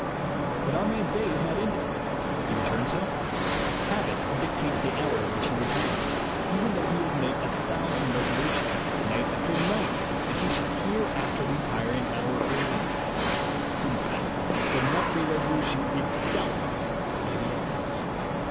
But our man's day is not ended. He returns home. Habit dictates the hour at which he re tires, even though he has made a thousand resolu tions, night after night, that he shall hereafter re 70 THE WAY TO WILL POWER tire an hour earlier. In fact, the nightly resolu tion itself may be a habit.